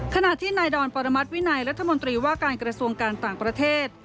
ขณะที่นายดอนปรมัติวินัยรัฐมนตรีว่าการกระทรวงการต่างประเทศ